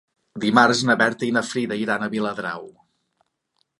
Dimarts na Berta i na Frida iran a Viladrau.